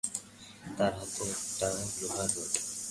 তার হাতে একটা লোহার রড।